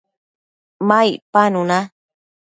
ma icpanu na